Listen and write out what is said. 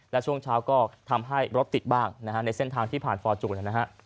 และช่วงเช้าก็ทำให้รถติดบ้างนะฮะในเส้นทางที่ผ่านฟอร์จูนนะฮะ